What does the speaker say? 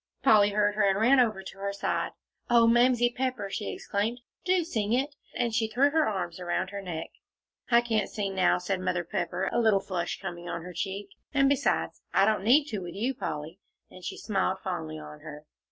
Polly heard her, and ran over to her side. "Oh, Mamsie Pepper!" she exclaimed, "do sing it," and she threw her arms around her neck. "I can't sing now," said Mother Pepper, a little flush coming on her cheek, "and besides, I don't need to, with you, Polly," and she smiled fondly on her.